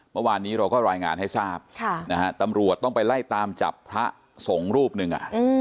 เมื่อวานนี้เราก็รายงานให้ทราบตำรวจต้องไปไล่ตามจับพระสงฆ์รูปหนึ่ง